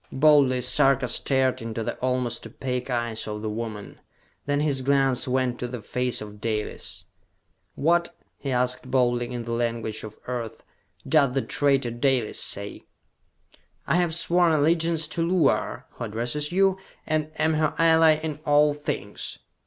Boldly Sarka stared into the almost opaque eyes of the woman. Then his glance went to the face of Dalis. "What," he asked boldly, in the language of Earth, "does the traitor Dalis say?" "I have sworn allegiance to Luar, who addresses you, and am her ally in all things!